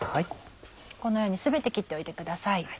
このように全て切っておいてください。